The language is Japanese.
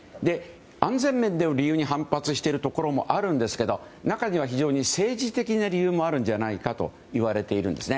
安全面での理由で反発しているところもあるんですけど中には非常に政治的な理由もあるんじゃないかといわれているんですね。